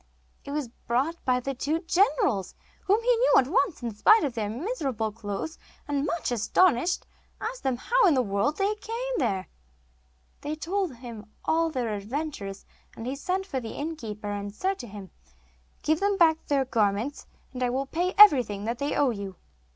It was brought by the two generals, whom he knew at once in spite of their miserable clothes, and, much astonished, asked them how in the world they came there. They told him all their adventures, and he sent for the innkeeper, and said to him: 'Give them back their garments, and I will pay everything that they owe you.